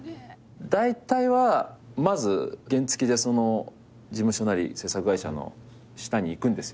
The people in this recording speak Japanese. だいたいはまず原付でその事務所なり制作会社の下に行くんですよ。